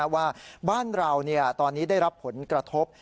ว่าบ้านเราตอนนี้ได้รับผลกระทบ